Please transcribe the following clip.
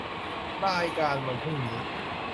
รายการวันพรุ่งนี้